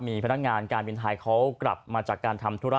มีพนักงานการบินไทยเขากลับมาจากการทำธุระ